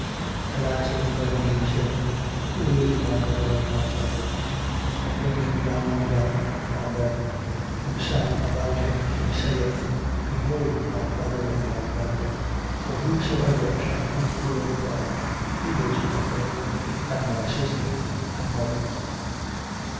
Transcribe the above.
3:33. And answering them, he said: Who is my mother and my brethren? 3:34. And looking round about on them who sat about him, he saith: Behold my mother and my brethren. 3:35. For whosoever shall do the will of God, he is my brother, and my sister, and mother.